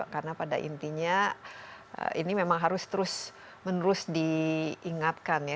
karena pada intinya ini memang harus terus menerus diingatkan ya